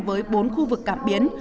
với bốn khu vực cảm biến